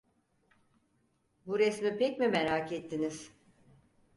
Bu resmi pek mi merak ettiniz?